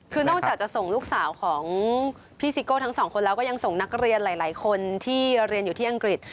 คือนอกจากจะส่งลูกสาวของพี่ซิโก้ทั้งสองคนแล้วก็ยังส่งนักเรียนหลายคนที่เรียนอยู่ที่อังกฤษ